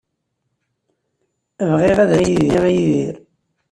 Bɣiɣ ad as-iniɣ i Yidir.